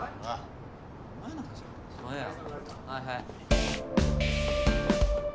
はいはい・